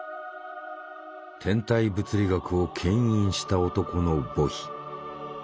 天体物理学を牽引した男の墓碑。